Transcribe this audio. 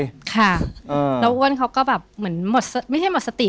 ค่ะแล้วอ้วนเขาก็แบบเหมือนหมดไม่ใช่หมดสติ